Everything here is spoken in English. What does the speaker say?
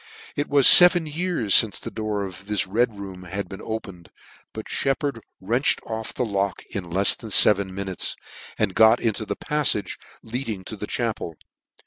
It was feven years fince the door of this Red room had been opened : but Sheppard wrenched off the lock in lefs than feven minutes, and got into the pafltge leading to the chapel.